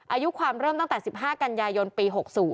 อายุความเริ่มตั้งแต่๑๕กันยายนปี๖๐